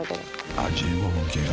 ［あっ１５分経過。